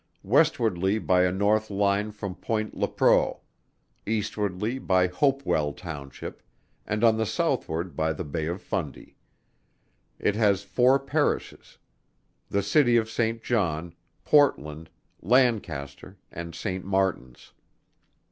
Westwardly by a North line from Point Lepreau. Eastwardly by Hopewell Township, and on the Southward by the Bay of Fundy. It has four Parishes. The City of Saint John, Portland, Lancaster, and Saint Martins.